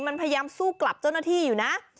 มันพยายามสู้กลับเจ้าหน้าที่อยู่นะ